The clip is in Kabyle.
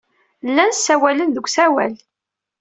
Llan ssawalen deg usawal.